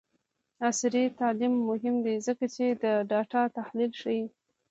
عصري تعلیم مهم دی ځکه چې د ډاټا تحلیل ښيي.